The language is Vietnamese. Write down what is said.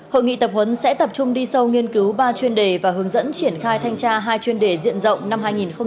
hội nghị tập huấn sẽ tập trung đi sâu nghiên cứu ba chuyên đề và hướng dẫn triển khai thanh tra hai chuyên đề diện rộng năm hai nghìn hai mươi